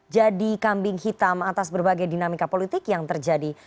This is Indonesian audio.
jadi kambing hitam atas berbagai dinamika politik yang terjadi